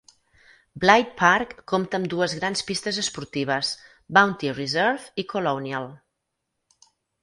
Bligh Park compta amb dues grans pistes esportives: Bounty Reserve i Colonial.